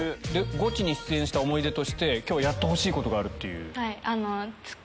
ゴチに出演した思い出として今日やってほしいことがある。